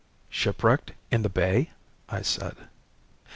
"Shipwrecked in the bay?" I said.